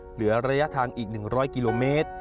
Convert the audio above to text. เหลือระยะทางอีก๑๐๐กิโลเมตร